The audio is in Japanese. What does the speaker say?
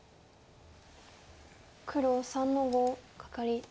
黒３の五カカリ。